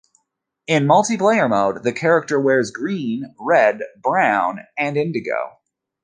In multiplayer mode, the character wears green, red, brown and indigo.